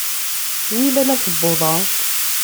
W ilan akebbuḍ-a?